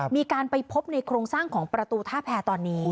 มีการไปพบในโครงสร้างของประตูท่าแพรตอนนี้